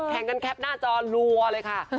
แข่งกันแคปหน้าจอรัวเลยค่ะ